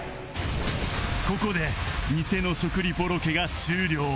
ここでニセの食リポロケが終了